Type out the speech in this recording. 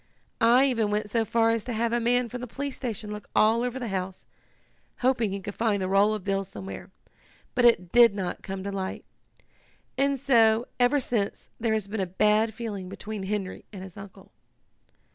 I even went so far as to have a man from the police station look all over the house, hoping he could find the roll of bills somewhere, but it did not come to light. And so, ever since, there has been a bad feeling between Henry and his uncle."